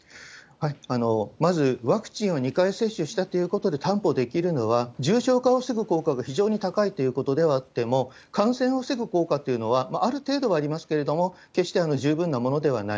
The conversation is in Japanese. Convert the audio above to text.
まず、ワクチンを２回接種したということで担保できるのは、重症化を防ぐ効果が非常に高いということではあっても、感染を防ぐ効果っていうのは、ある程度はありますけれども、決して十分なものではない。